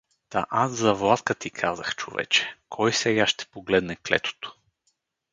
— Та аз за Владка ти казах, човече… Кой сега ще погледне клетото?